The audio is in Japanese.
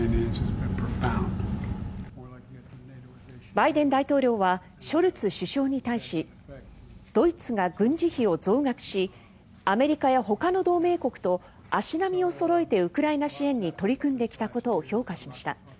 バイデン大統領はショルツ首相に対しドイツが軍事費を増額しアメリカやほかの同盟国と足並みをそろえてウクライナ支援に取り組んできたことを評価しました。